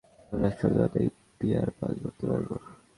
আশা করি, সামনের বছরগুলোয়ও আমরা একসঙ্গে অনেক বিয়ার পান করতে পারব।